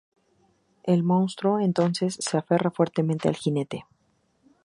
El monstruo, entonces, se aferra fuertemente al jinete.